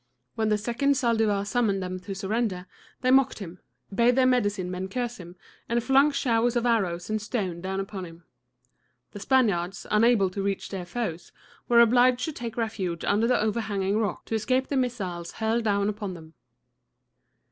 When the second Zaldivar summoned them to surrender, they mocked him, bade their medicine men curse him, and flung showers of arrows and stones down upon him. The Spaniards, unable to reach their foes, were obliged to take refuge under the overhanging rock to escape the missiles hurled down upon them.